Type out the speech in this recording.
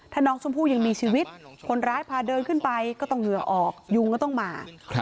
ถ้าน้องชมพู่ยังมีชีวิตคนร้ายพาเดินขึ้นไปก็ต้องเหงื่อออกยุงก็ต้องมา